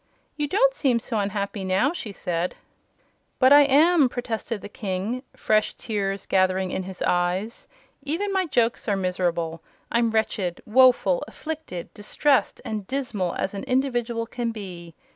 "You don't seem so very unhappy now," she said. "But I am," protested the King, fresh tears gathering in his eyes. "Even my jokes are miserable. I'm wretched, woeful, afflicted, distressed and dismal as an individual can be.